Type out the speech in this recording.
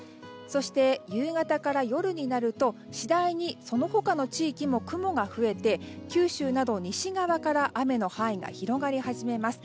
そして夕方から夜になると次第に、その他の地域も雲が増えて、九州など西側から雨の範囲が広がり始めます。